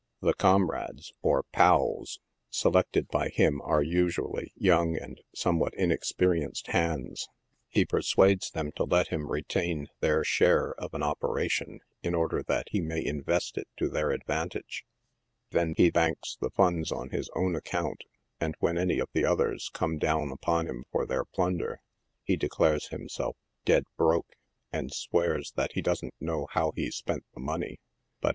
The comrades, or " pals," se lected by him are usually young and somewhat inexperienced hands. He persuades them to let him retain their share of an " operation," in order that he mayinvost it to their advantage 5 then he banks the funds on his own account, and when any of the others come down upon him for their plunder, he declares himself " dead broke," and swears that he doesn't know how he spent the money, but.